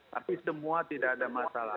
tapi semua tidak ada masalah